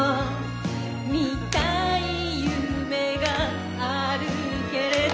「見たい夢があるけれど」